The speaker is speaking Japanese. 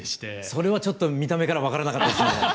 それはちょっと見た目から分からなかったですね。